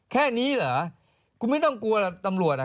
แค่นี้เหรอคุณไม่ต้องกลัวล่ะตำรวจอ่ะ